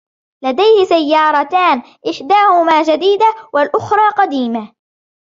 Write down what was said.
لديه سياراتان، إحداهما جديدة و الأخرى قديمة.